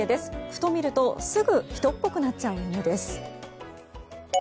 ふと見るとすぐ人っぽくなっちゃう犬です。